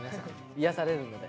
癒やされるので。